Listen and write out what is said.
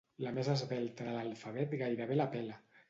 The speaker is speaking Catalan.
La més esvelta de l'alfabet gairebé la pela.